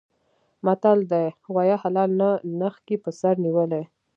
متل دی: غوایه حلال نه نښکي په سر نیولي.